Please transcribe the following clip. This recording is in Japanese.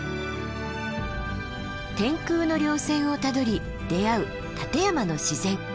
天空の稜線をたどり出会う立山の自然。